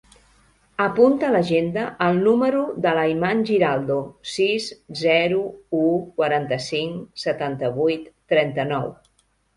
Apunta a l'agenda el número de l'Ayman Giraldo: sis, zero, u, quaranta-cinc, setanta-vuit, trenta-nou.